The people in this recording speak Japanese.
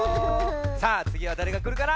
さあつぎはだれがくるかな？